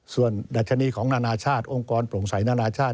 ส่วนดัชนีของนานาชาติองค์กรโปร่งใสนานาชาติ